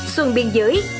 xuân biên giới